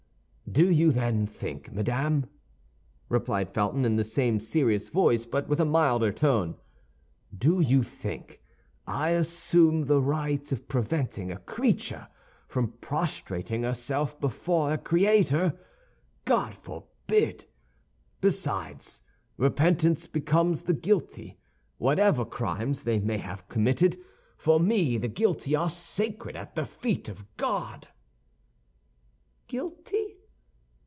"Do you think, then, madame," replied Felton, in the same serious voice, but with a milder tone, "do you think I assume the right of preventing a creature from prostrating herself before her Creator? God forbid! Besides, repentance becomes the guilty; whatever crimes they may have committed, for me the guilty are sacred at the feet of God!" "Guilty?